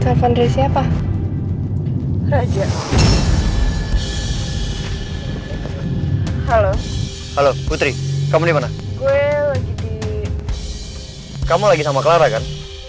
siapa raja halo halo putri kamu dimana gue lagi di kamu lagi sama clara kan